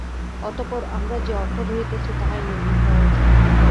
অতঃপর আমরা যে অর্থ ধরিতেছি, তাহাই নির্ভুল হওয়া উচিত।